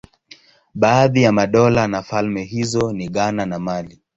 Baadhi ya madola na falme hizo ni Ghana na Mali.